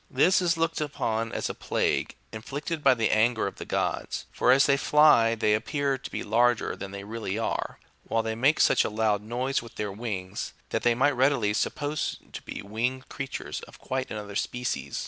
This is looked upon as a plague31 inflicted by the anger of the gods ; for as they fly they appear to be larger than they really are, while they make such a loud noise with their wings, that they might be readily supposed to be winged creatures of quite another species.